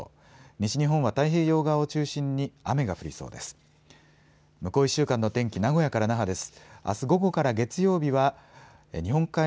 西日本は太平洋側を中心に雨が降りそうです。